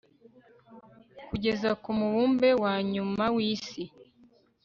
kugeza ku mubumbe wa nyuma wisi